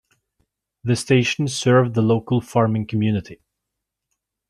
The station served the local farming community.